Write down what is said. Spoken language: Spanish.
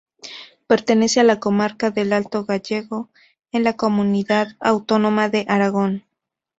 Pertenece a la comarca del Alto Gállego, en la comunidad autónoma de Aragón.